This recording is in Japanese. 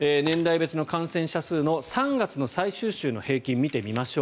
年代別の感染者数の３月の最終週の平均を見てみましょう。